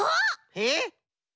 えっ？